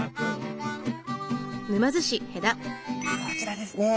こちらですね。